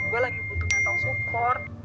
gue lagi butuh mental support